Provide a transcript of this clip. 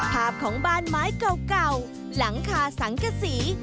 ภาพของบ้านไม้เก่าหลังคาสังกษี